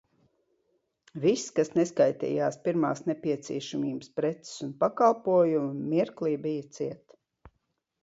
Viss, kas neskaitījās pirmās nepieciešamības preces un pakalpojumi, mirklī bija ciet!